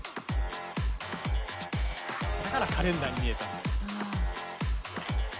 「だからカレンダーに見えたんだ」